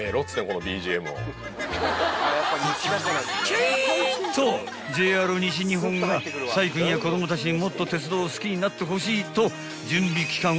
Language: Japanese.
［キャイーンっとＪＲ西日本が宰君や子供たちにもっと鉄道を好きになってほしいと準備期間